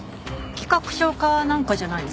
企画書かなんかじゃないですか？